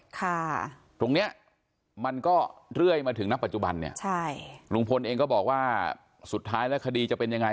ค่ะตรงเนี้ยมันก็เรื่อยมาถึงณปัจจุบันเนี่ยใช่ลุงพลเองก็บอกว่าสุดท้ายแล้วคดีจะเป็นยังไง